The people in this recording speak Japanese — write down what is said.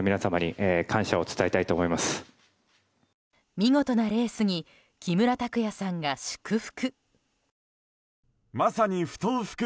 見事なレースに木村拓哉さんが祝福。